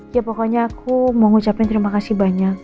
ya pokoknya aku mau ngucapin terima kasih banyak